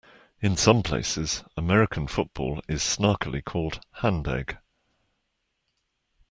In some places, American football is snarkily called hand-egg.